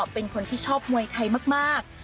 เป็นคนที่ชอบมวยไทยมาก